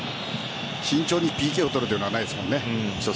慎重にＰＫを取るのはないですもんね。